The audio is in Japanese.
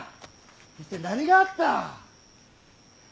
一体何があった？